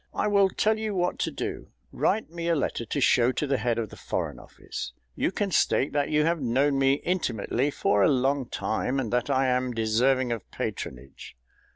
"I will tell you what to do. Write me a letter to show to the head of the Foreign Office. You can state that you have known me intimately for a long time, and that I am deserving of patronage.